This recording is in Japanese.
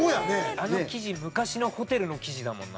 あの生地昔のホテルの生地だもんな。